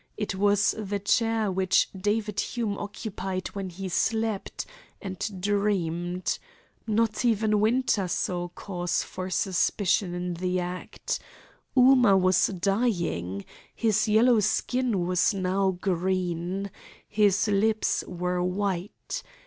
It was the chair which David Hume occupied when he slept, and dreamed. Not even Winter saw cause for suspicion in the act. Ooma was dying. His yellow skin was now green. His lips were white.